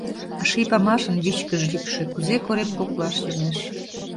А ший памашын вичкыж йӱкшӧ Кузе корем коклаш йомеш…